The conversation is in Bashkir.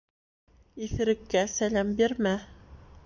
Иҫереккә сәләм бирмә.